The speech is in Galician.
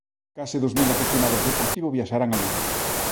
Case dous mil afeccionados do Deportivo viaxarán a Lugo.